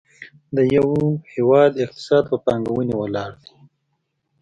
د یو هېواد اقتصاد په پانګونې ولاړ دی.